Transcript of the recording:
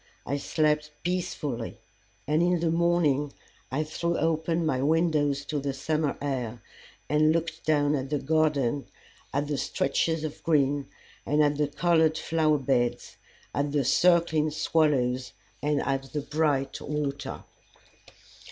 I slept peacefully, and in the morning I threw open my windows to the summer air and looked down at the garden, at the stretches of green and at the colored flower beds, at the circling swallows and at the bright water.